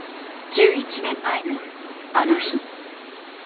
１１年前のあの日。